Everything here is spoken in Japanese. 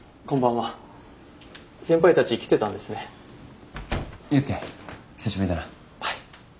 はい。